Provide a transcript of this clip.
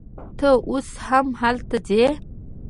ته اوس هم هلته ځې